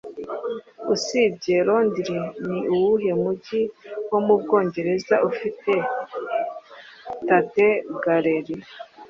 Usibye Londres ni uwuhe mujyi wo mu Bwongereza ufite Tate Gallery